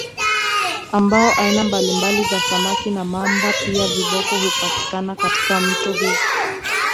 Ambao aina mbalimbali za Samaki na Mamba pia viboko hupatikana katika mto huu